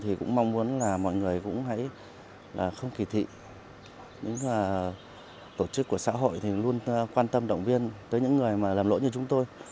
thì cũng mong muốn là mọi người cũng hãy không kỳ thị những tổ chức của xã hội thì luôn quan tâm động viên tới những người lầm lỗi như chúng tôi